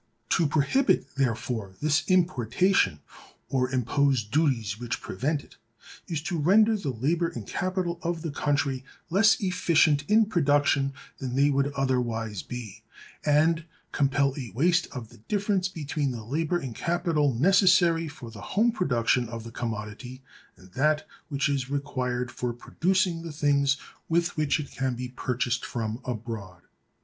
To prohibit, therefore, this importation, or impose duties which prevent it, is to render the labor and capital of the country less efficient in production than they would otherwise be, and compel a waste of the difference between the labor and capital necessary for the home production of the commodity and that which is required for producing the things with which it can be purchased from abroad.